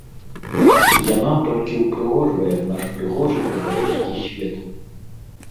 Яна толькі ўпрыгожвае наш прыгожы беларускі свет.